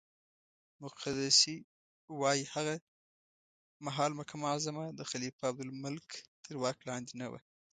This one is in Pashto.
مقدسي وایي هغه مهال مکه معظمه د خلیفه عبدالملک تر واک لاندې نه وه.